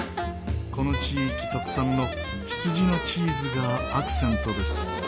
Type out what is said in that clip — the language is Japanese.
この地域特産の羊のチーズがアクセントです。